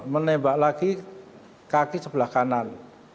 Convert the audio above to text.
menembak lagi kaki sebelah kanan